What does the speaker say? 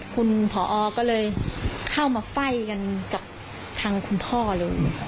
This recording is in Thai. คุณผอก็เลยเข้ามาไฟ่กันกับทางคุณพ่อเลย